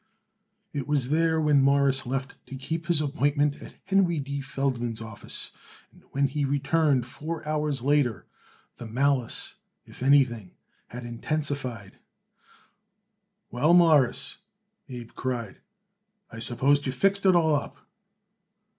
It was there when Morris left to keep his appointment at Henry D. Feldman's office, and when he returned four hours later the malice, if anything, had intensified. "Well, Mawruss," Abe cried, "I suppose you fixed it all up?"